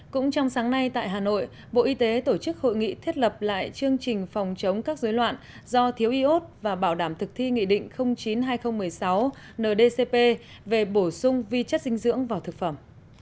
cũng trong sáng nay tại hà nội bộ y tế tổ chức hội nghị thiết lập lại chương trình phòng chống các dối loạn do thiếu iốt và bảo đảm thực thi nghị định chín hai nghìn một mươi sáu ndcp về bổ sung vi chất dinh dưỡng vào thực phẩm